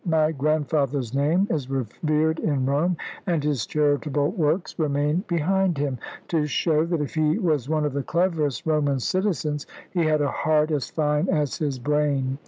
My grandfather's name is revered in Rome, and his charitable works remain behind him, to show that if he was one of the cleverest Roman citizens, he had a heart as fine as his brain.